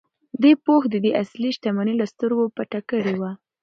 دې پوښ د ده اصلي شتمني له سترګو پټه کړې وه.